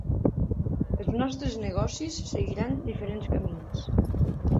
Els nostres negocis seguiran diferents camins.